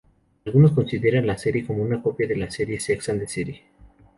Algunos consideran la serie como una copia de la serie "Sex and the city".